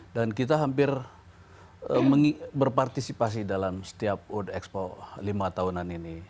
dan kita hampir berpartisipasi dalam setiap world expo lima tahunan ini